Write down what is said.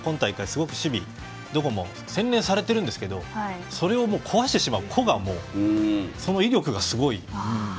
すごく守備どこも洗練されているんですが個がそれを壊してしまう個の威力がすごい。